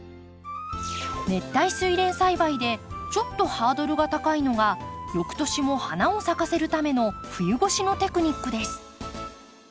熱帯スイレン栽培でちょっとハードルが高いのが翌年も花を咲かせるための冬越しのテクニックです。